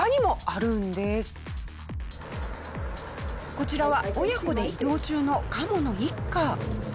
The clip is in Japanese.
こちらは親子で移動中のカモの一家。